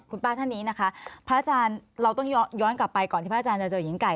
คุณป้าท่านนี้นะคะพระอาจารย์เราต้องย้อนกลับไปก่อนที่พระอาจารย์จะเจอหญิงไก่